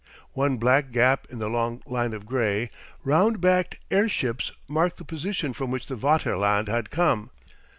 One black gap in the long line of grey, round backed airships marked the position from which the Vaterland had come.